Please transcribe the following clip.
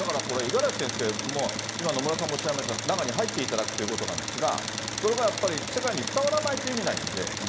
これ、五十嵐先生、もう今、野村さんもおっしゃいました、中に入っていただくということなんですが、それがやっぱり世界に伝わらないといけないんで。